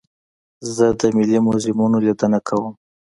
زه د ملي موزیمونو لیدنه کوم.